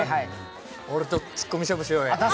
俺とツッコミ勝負しようや！